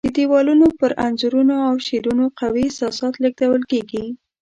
د دیوالونو پر انځورونو او شعرونو قوي احساسات لېږدول کېږي.